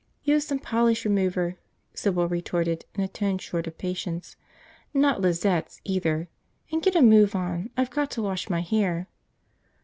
"Use some polish remover," Sybil retorted in a tone short of patience. "Not Lizette's, either. And get a move on. I've got to wash my hair."